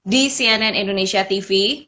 di cnn indonesia tv